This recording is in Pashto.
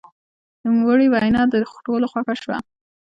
د نوموړي وینا د ټولو خوښه شوه.